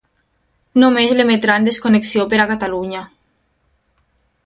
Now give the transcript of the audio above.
Només l'emetrà en desconnexió per a Catalunya.